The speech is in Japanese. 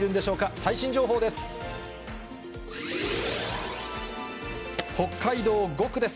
最新情報です。